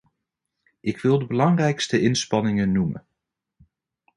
Ik wil de belangrijkste inspanningen noemen.